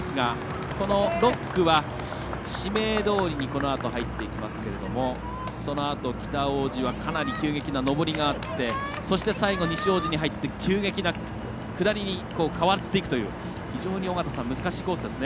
この６区は紫明通に入っていきますがそのあと、北大路はかなり急激な上りがあって最後、西大路に入って急激な下りに変わっていくという非常に難しいコースですね。